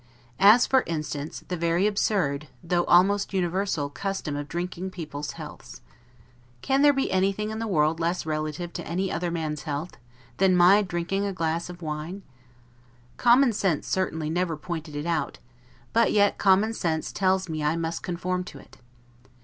As for instance, the very absurd, though almost universal custom of drinking people's healths. Can there be anything in the world less relative to any other man's health, than my drinking a glass of wine? Common sense certainly never pointed it out; but yet common sense tells me I must conform to it.